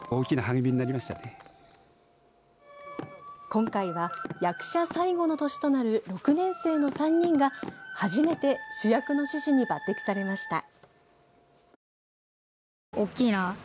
今回は役者最後の年となる６年生の３人が初めて主役の獅子に抜擢されました。